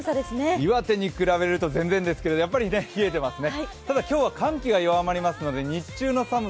岩手に比べると全然ですけど、やっぱり冷えていますね。